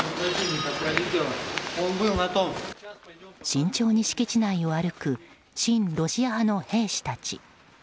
慎重に敷地内を歩く親ロシア派の兵士たち。